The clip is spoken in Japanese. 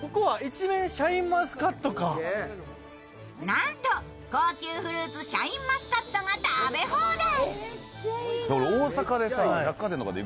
なんと高級フルーツシャインマスカットが食べ放題！